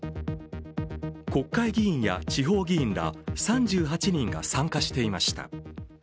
国会議員や地方議員ら３８人が参加していました。